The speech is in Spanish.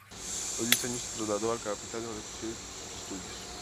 A los diez años, se trasladó a la capital para proseguir sus estudios.